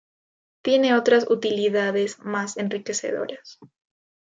tiene otras utilidades más enriquecedoras